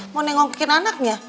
mau nengongkin anaknya